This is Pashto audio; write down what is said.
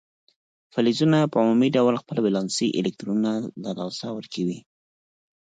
فلزونه په عمومي ډول خپل ولانسي الکترونونه له لاسه ورکوي.